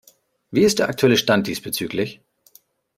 Wie ist der aktuelle Stand diesbezüglich?